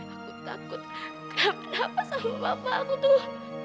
aku takut kenapa sama bapak aku tuh